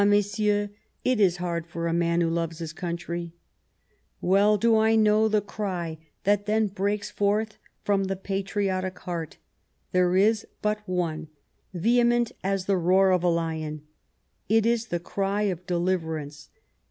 Messieurs, it is hard for a man who loves his country !" Well ! do you know the cry that then breaks forth from the patriotic heart ? There is but one — vehement as the roar of a lion — it is the cry of deliverance.